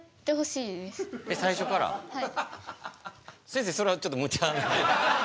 先生それはちょっとむちゃな。